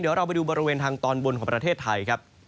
เดี๋ยวเราไปดูบริเวณทางตอนบนของประเทศไทยครับ